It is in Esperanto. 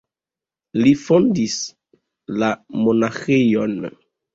Li fondis la monaĥejon.